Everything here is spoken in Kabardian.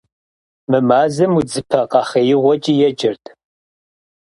Мы мазэм удзыпэ къэхъеигъуэкӀи еджэрт.